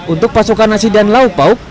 untuk pasukan nasi dan laupau